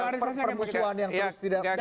polarisasi yang kita ajak